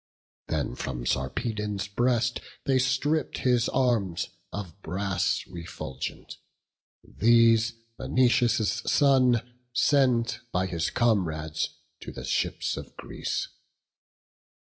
Then from Sarpedon's breast they stripp'd his arms, Of brass refulgent; these Menoetius' son Sent by his comrades to the ships of Greece.